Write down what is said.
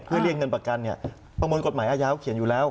เพื่อเรียกเงินประกันเนี่ยประมวลกฎหมายอาญาเขาเขียนอยู่แล้ว